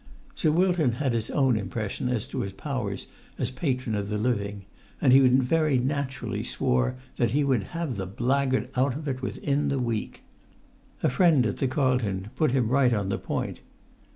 Sir Wilton had his own impression as to his powers as patron of the living, and he very naturally swore that he would "have that blackguard[Pg 81] out of it" within the week. A friend at the Carlton put him right on the point.